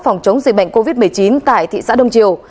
phòng chống dịch bệnh covid một mươi chín tại thị xã đông triều